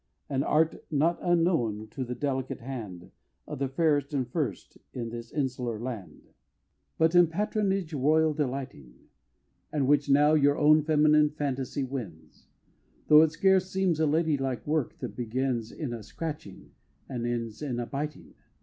An Art not unknown to the delicate hand Of the fairest and first in this insular land, But in Patronage Royal delighting; And which now your own feminine fantasy wins, Tho' it scarce seems a lady like work, that begins In a scratching and ends in a biting!